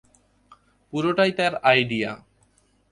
পুরোটাই তার আইডিয়া।